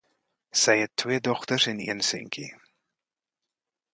Sy het twee dogters en een seuntjie.